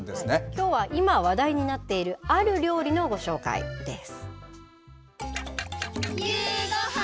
きょうは、今、話題になっているある料理のご紹介です。